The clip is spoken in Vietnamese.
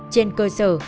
trên cơ sở